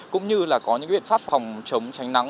cũng như là có những biện pháp phòng chống tránh nắng